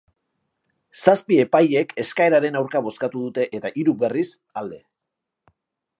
Zazpi epailek eskaeraren aurka bozkatu dute eta hiruk, berriz, alde.